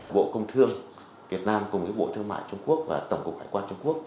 bộ công thương việt nam cùng với bộ thương mại trung quốc và tổng cục hải quan trung quốc